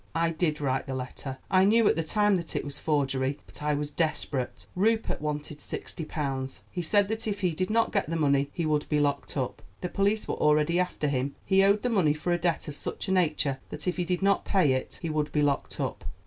I did write that letter. I knew at the time that it was forgery; but I was desperate. Rupert wanted sixty pounds. He said that if he did not get the money he would be locked up; the police were already after him. He owed the money for a debt of such a nature that if he did not pay it he would be locked up."